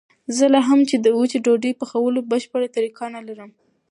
زه لا هم د وچې ډوډۍ پخولو بشپړه طریقه نه لرم.